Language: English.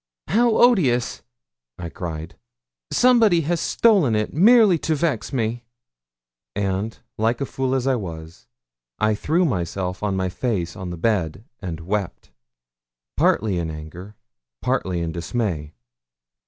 'How odious!' I cried; 'somebody has stolen it merely to vex me.' And, like a fool as I was, I threw myself on my face on the bed and wept, partly in anger, partly in dismay.